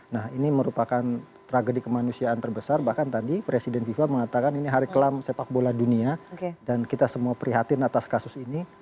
nah ini merupakan tragedi kemanusiaan terbesar bahkan tadi presiden fifa mengatakan ini hari kelam sepak bola dunia dan kita semua prihatin atas kasus ini